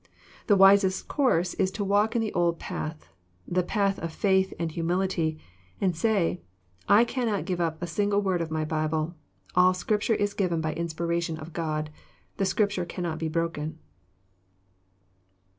The wisest course is to walk in the old path, — the path of faith and humility ; and say, *' I cannot give up a single word of my Bible. All Scrip ture is given by inspiration of God. The Scripture cannot be broken."